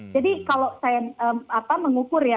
jadi kalau saya mengukur ya